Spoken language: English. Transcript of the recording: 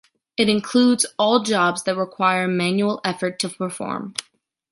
It includes all jobs that require manual effort to perform.